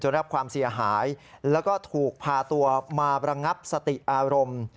รับความเสียหายแล้วก็ถูกพาตัวมาระงับสติอารมณ์